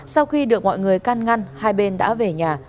sau khi được mọi người can ngăn hai bên đã về nhà